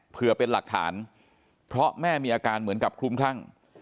เพื่อเป็นหลักฐานเพราะแม่มีอาการเหมือนกับคลุ้มคลั่ง